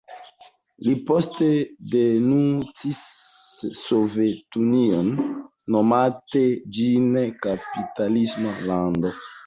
Li poste denuncis Sovetunion nomante ĝin kapitalisma lando.